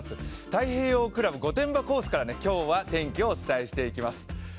太平洋クラブ御殿場コースから今日はお伝えしていきます。